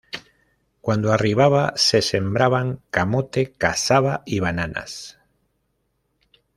Cuando arribaba, se sembraban camote, casaba, y bananas.